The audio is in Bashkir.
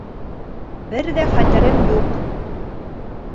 Бер ҙә хәтерем юҡ.